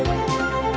và sử dụng ngày